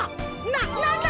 なっなんだ！？